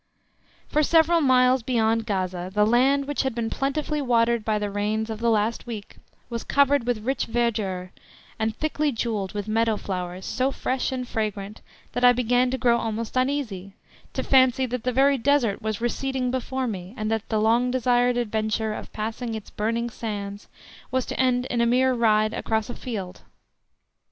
For several miles beyond Gaza the land, which had been plentifully watered by the rains of the last week, was covered with rich verdure, and thickly jewelled with meadow flowers so fresh and fragrant, that I began to grow almost uneasy, to fancy that the very Desert was receding before me, and that the long desired adventure of passing its "burning sands" was to end in a mere ride across a field.